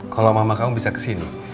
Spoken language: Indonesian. kalau mama kamu bisa kesini